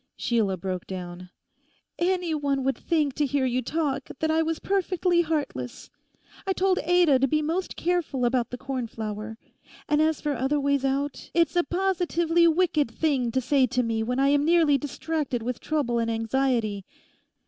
Sheila broke down. 'Any one would think to hear you talk, that I was perfectly heartless. I told Ada to be most careful about the cornflour. And as for other ways out, it's a positively wicked thing to say to me when I'm nearly distracted with trouble and anxiety.